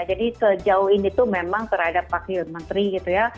jadi sejauh ini tuh memang terhadap wakil menteri gitu ya